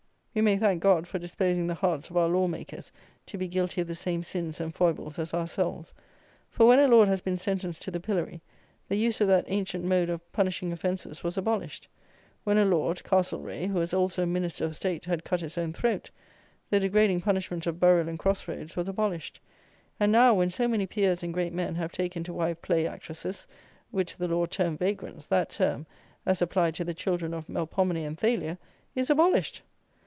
We may thank God for disposing the hearts of our law makers to be guilty of the same sins and foibles as ourselves; for when a lord had been sentenced to the pillory, the use of that ancient mode of punishing offences was abolished: when a lord (CASTLEREAGH), who was also a minister of state, had cut his own throat, the degrading punishment of burial in cross roads was abolished; and now, when so many peers and great men have taken to wife play actresses, which the law termed vagrants, that term, as applied to the children of Melpomene and Thalia, is abolished!